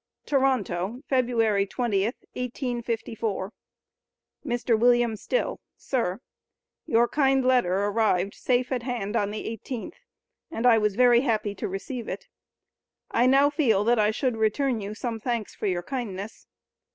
TORONTO, Feb. 20th, 1854. MR. WILLIAM STILL: Sir Your kind letter arrived safe at hand on the 18th, and I was very happy to receive it. I now feel that I should return you some thanks for your kindness.